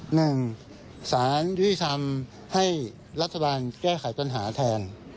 หนึ่งสารยุติธรรมให้รัฐบาลแก้ไขปัญหาแทน